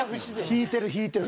引いてる引いてる。